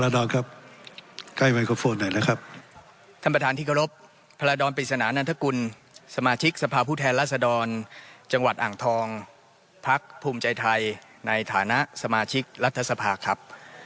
ท่านประธานที่เคารพพรภาดอนปริศนานัทกุลสมาชิกสภาพผู้แทนรัศดรจังหวัดอ่างทองพรรคภูมิใจไทยในฐานะสมาชิกรัฐสภาคครับ